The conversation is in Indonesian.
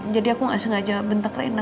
jadi aku ga sengaja bentak reina